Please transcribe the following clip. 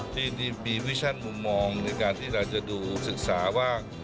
ที่มีวิชั่นมุมมองในการที่เราจะดูศึกษาว่า